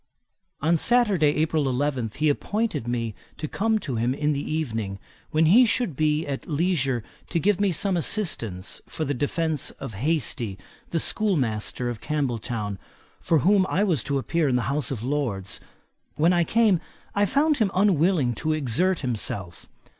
On Saturday, April 11, he appointed me to come to him in the evening, when he should be at leisure to give me some assistance for the defence of Hastie, the schoolmaster of Campbelltown, for whom I was to appear in the House of Lords. When I came, I found him unwilling to exert himself.